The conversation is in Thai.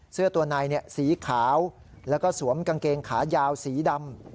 เสื้อตัวในสีขาวแล้วก็สวมกางเกงขายาวสีดำ